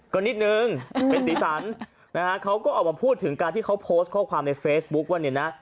ก็นิดนึงเป็นสีสันนะฮะเขาก็ออกมาพูดถึงการที่เขาโพสต์ข้อความในเฟซบุ๊คว่าเนี่ยนะ